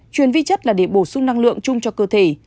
truyền vi chất là để bổ sung năng lượng chung cho cơ thể